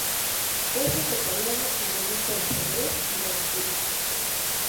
Es vegetariano y le gusta el ajedrez y la lectura.